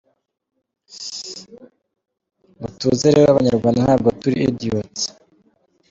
Mutuze rero abanyarwanda ntabwo turi idiots.